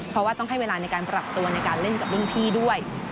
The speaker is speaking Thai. เพราะว่าต้องให้เวลาในการปรับตัวในการเล่นกับรุ่นพี่ด้วย